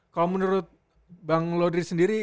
kalau menurut bang laudrey sendiri